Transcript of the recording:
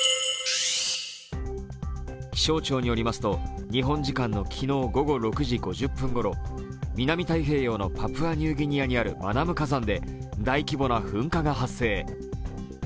気象庁によりますと日本時間の昨日午後６時５０分頃南太平洋のパプアニューギニアにあるマナム火山で大規模な噴火が発生。